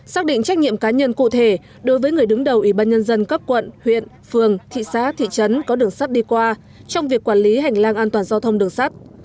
xác định trách nhiệm cá nhân cụ thể đối với người đứng đầu ubnd cấp quận huyện phường thị xá thị trấn có đường sắt đi qua trong việc quản lý hành lang an toàn giao thông đường sắt